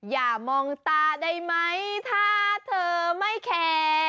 อย่ามองตาได้ไหมถ้าเธอไม่แคร์